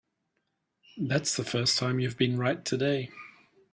That's the first time you've been right today.